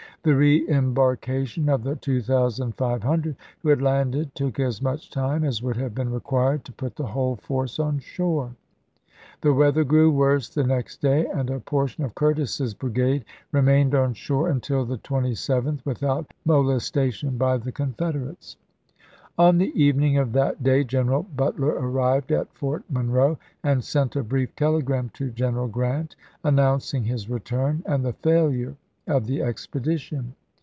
The reembarkation of the 2500 who had landed took as much time as would have been required to put the whole force on shore. The weather grew worse the next day, and a portion of Curtis's brigade remained on shore until the 27th without molestation by the Confederates. On the evening of that day General Butler ar rived at Fort Monroe and sent a brief telegram to General Grant announcing his return and the failure of the expedition.